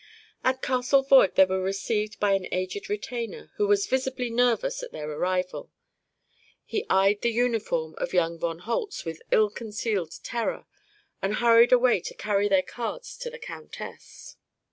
At Castle Voig they were received by an aged retainer who was visibly nervous at their arrival. He eyed the uniform of young von Holtz with ill concealed terror and hurried away to carry their cards to the countess.